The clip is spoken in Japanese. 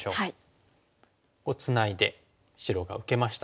こうツナいで白が受けました。